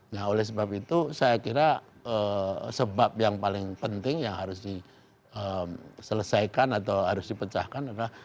nah oleh sebab itu saya kira sebab yang paling penting yang harus diselesaikan atau harus dipecahkan adalah